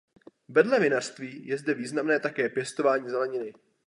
Vedle vinařství je zde významné také pěstování zeleniny.